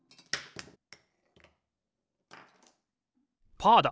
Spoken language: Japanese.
パーだ！